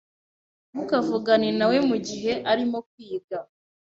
Ntukavugane nawe mugihe arimo kwiga.